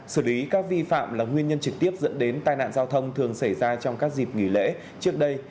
xử lý các vi phạm là nguyên nhân trực tiếp dẫn đến tai nạn giao thông thường xảy ra trong các dịp nghỉ lễ trước đây